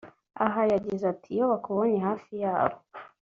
aha yagize ati “iyo bakubonye hafi yabo